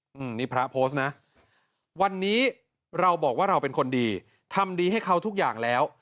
อืมนี่พระโพสต์นะวันนี้เราบอกว่าเราเป็นคนดีทำดีให้เขาทุกอย่างแล้ว